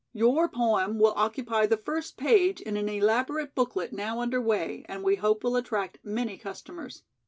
Your poem will occupy the first page in an elaborate booklet now under way and we hope will attract many customers.